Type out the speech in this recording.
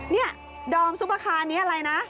นี่ดอมซุปเปอร์คาร์นี้อะไรนะ